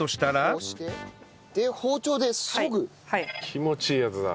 気持ちいいやつだ。